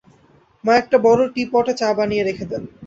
মা একটা বড় টী-পটে চা বানিয়ে রেখে দেন।